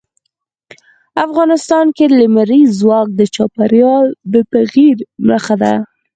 افغانستان کې لمریز ځواک د چاپېریال د تغیر نښه ده.